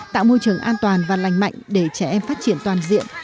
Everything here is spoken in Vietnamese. tạo môi trường an toàn và lành mạnh để trẻ em phát triển toàn diện